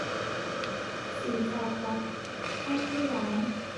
สี่จอครับ ตั้งที่ร้าน